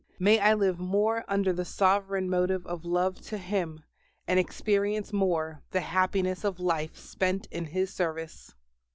May I live more under the sovereign motive of love to Him, and experience more the happiness of life spent in His service.